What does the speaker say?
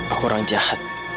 aku orang jahat